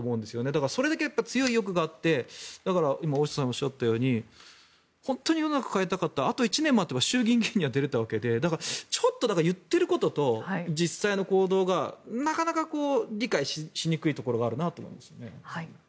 だからそれだけ強い意欲があってだから、今、大下さんがおっしゃったように本当に世の中を変えたかったらあと１年待てば衆議院議員には出れたわけでだから、ちょっと言ってることと実際の行動がなかなか理解しにくいところがあるなと思いました。